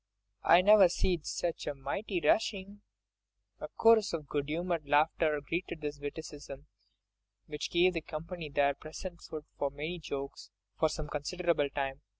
I never see'd such a mighty rushin'!" A chorus of good humoured laughter greeted this witticism, which gave the company there present food for many jokes, for some considerable time.